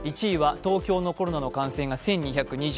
１位は東京のコロナの感染が１２２３人